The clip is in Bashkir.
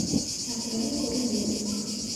Ә ҡуян күренмәй.